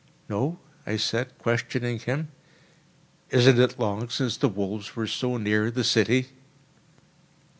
"No?" I said, questioning him; "isn't it long since the wolves were so near the city?"